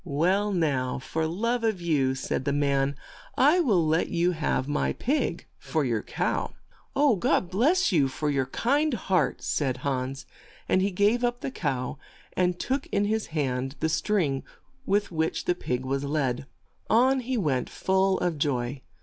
'Well now, for love of you," said the man, "I will let you have my pig for your cow." "God bless you for your kind heart," said Hans, and he gave up the cow, and took in his hand the string with which the pig was led. On he went, full of joy.